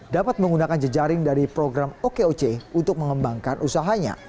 dapat menggunakan jejaring dari program okoc untuk mengembangkan usahanya